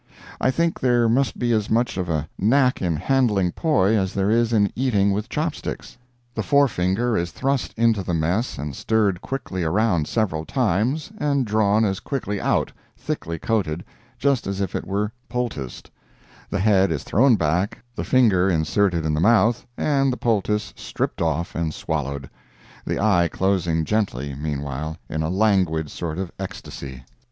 I think there must be as much of a knack in handling poi as there is in eating with chopsticks. The forefinger is thrust into the mess and stirred quickly around several times and drawn as quickly out, thickly coated, just as if it were poulticed; the head is thrown back, the finger inserted in the mouth and the poultice stripped off and swallowed—the eye closing gently, meanwhile, in a languid sort of ecstasy.